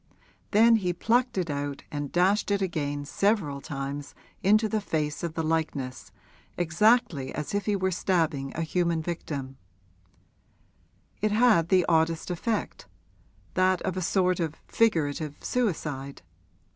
Then he plucked it out and dashed it again several times into the face of the likeness, exactly as if he were stabbing a human victim: it had the oddest effect that of a sort of figurative suicide.